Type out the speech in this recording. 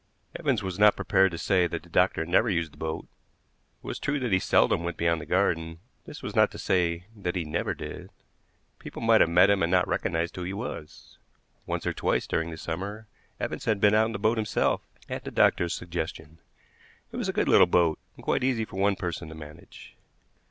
Evans was not prepared to say that the doctor never used the boat. It was true that he seldom went beyond the garden, but this was not to say that he never did. People might have met him and not recognized who he was. Once or twice during the summer Evans had been out in the boat himself, at the doctor's suggestion. It was a good little boat, and quite easy for one person to manage.